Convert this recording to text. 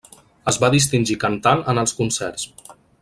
Es va distingir cantant en els concerts.